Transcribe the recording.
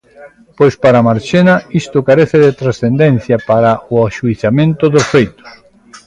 Pois para Marchena isto carece de transcendencia para o axuizamento dos feitos.